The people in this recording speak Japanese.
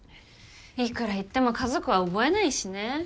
いくら言っても家族は覚えないしね。